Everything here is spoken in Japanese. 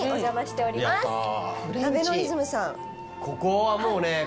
ここはもうね